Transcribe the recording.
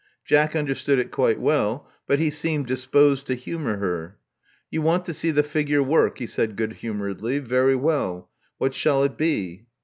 Jack understood it quite well ; but he seemed disposed to humor her. You want to see the figure work," he said good humoredly. * 'Very well. What shall it be?"